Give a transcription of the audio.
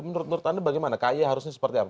menurut anda bagaimana k y harusnya seperti apa